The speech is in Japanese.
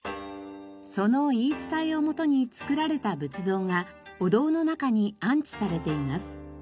その言い伝えをもとに造られた仏像がお堂の中に安置されています。